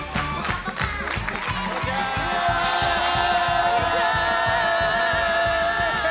こんにちは！